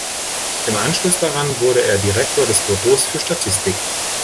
Im Anschluss daran wurde er Direktor des Büros für Statistik.